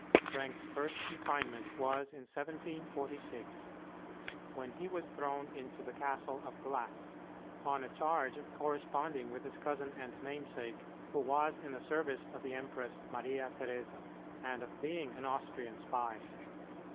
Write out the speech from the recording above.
Trenck's first confinement was in 1746, when he was thrown into the Castle of Glatz, on a charge of corresponding with his cousin and namesake, who was in the service of the Empress Maria Theresa, and of being an Austrian spy.